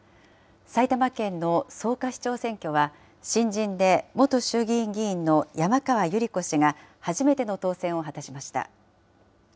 埼玉県の草加市長選挙は、新人で元衆議院議員の山川百合子氏が初めての当選を果たしました。